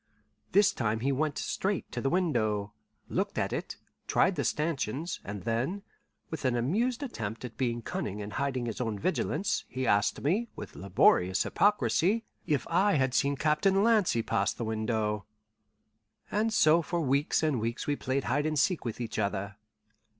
This time he went straight to the window, looked at it, tried the stanchions, and then, with an amused attempt at being cunning and hiding his own vigilance, he asked me, with laborious hypocrisy, if I had seen Captain Lancy pass the window. And so for weeks and weeks we played hide and seek with each other.